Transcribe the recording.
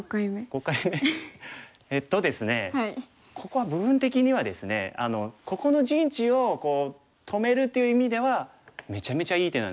ここは部分的にはですねここの陣地を止めるという意味ではめちゃめちゃいい手なんですよ。